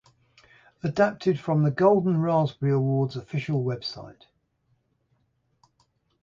Adapted from the Golden Raspberry Awards Official Website.